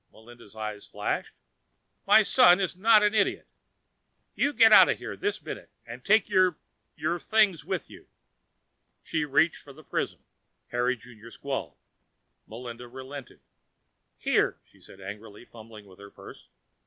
Melinda's eyes flashed. "My son is not an idiot! You get out of here this minute and take your things with you." As she reached for the prism, Harry Junior squalled. Melinda relented. "Here," she said angrily, fumbling with her purse.